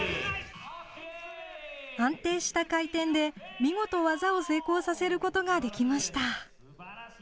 安定した回転で、見事、技を成功させることができました。